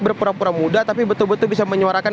berpura pura muda tapi betul betul bisa menyuarakan